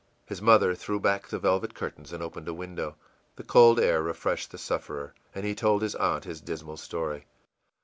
His mother threw back the velvet curtains and opened a window. The cold air refreshed the sufferer, and he told his aunt his dismal story.